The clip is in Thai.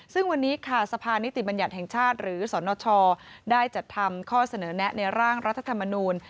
ซึ่งวันนี้ค่ะสภานิติบัญญัติแห่งชาติหรือสนชได้จัดทำข้อเสนอแนะในร่างรัฐธรรมนูล